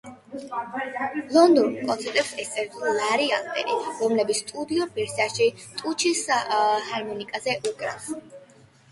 ლონდონურ კონცერტებს ესწრებოდა ლარი ადლერი, რომელიც სტუდიურ ვერსიაში ტუჩის ჰარმონიკაზე უკრავს.